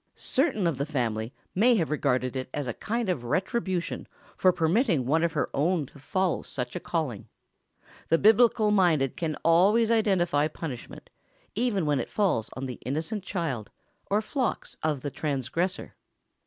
Certain of the family may have regarded it as a kind of retribution for permitting one of her own to follow such a calling. The biblical minded can always identify punishment, even when it falls on the innocent child, or flocks, of the transgressor.